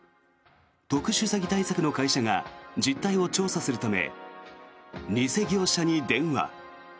特殊詐欺対策の会社が実態を調査するため偽業者に電話。